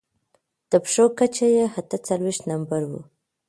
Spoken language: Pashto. د پښو کچه يې اته څلوېښت نمبره وه.